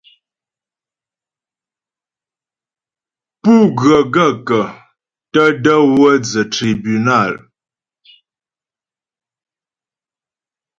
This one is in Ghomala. Pú ghə́ gaə̂kə́ tə də̀ wə́ dzə́ tribúnal ?